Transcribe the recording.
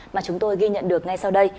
mà chúng tôi ghi nhận được ngay sau đây